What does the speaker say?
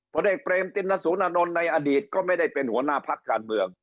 ผลเอกเปรมตินสุนนท์ในอดีตก็ไม่ได้เป็นหัวหน้าพักการเมือง